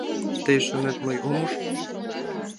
— Тый шонет, мый ом уж?